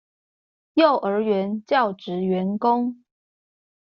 幼兒園教職員工